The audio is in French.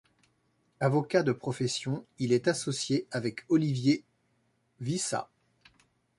Avocat de profession, il est associé avec Olivier Wyssa.